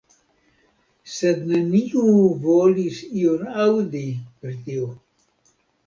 Sed neniu volis ion aŭdi pri tio.